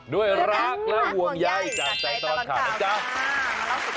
ด้วยรักและห่วงใยจากใจตลอดข่าวนะจ๊ะ